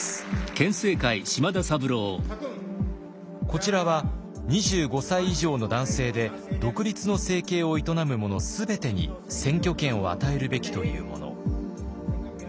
こちらは２５歳以上の男性で独立の生計を営む者全てに選挙権を与えるべきというもの。